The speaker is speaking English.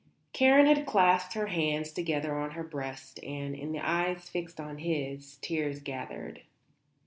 Karen had clasped her hands together on her breast and, in the eyes fixed on his, tears gathered.